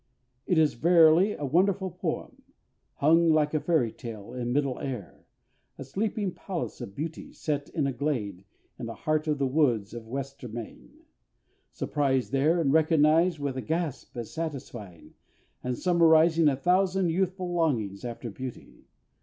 It is verily a wonderful poem; hung, like a fairy tale, in middle air a sleeping palace of beauty set in a glade in the heart of the woods of Westermain, surprised there and recognized with a gasp as satisfying, and summarizing a thousand youthful longings after beauty.